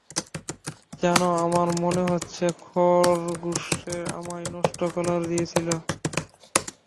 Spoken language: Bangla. জানো, আমার মনে হচ্ছে খরগোশেরা আমায় নষ্ট কলার দিয়েছিল।